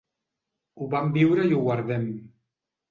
Ho vam viure i ho guardem.